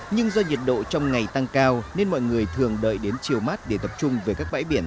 nhưng do nhiệt độ trong ngày tăng cao nên mọi người thường đợi đến chiều mát để tập trung về các bãi biển